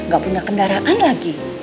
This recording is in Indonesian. gak punya kendaraan lagi